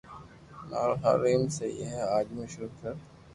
مارو ھارو ايم سھي ھي اج مون ݾروع ڪرو